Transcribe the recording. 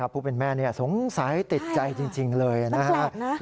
ผู้เป็นแม่สงสัยติดใจจริงเลยนะครับ